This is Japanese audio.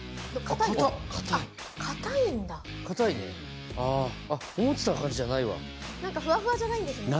硬いんだ硬いね思ってた感じじゃないわなんかふわふわじゃないんですね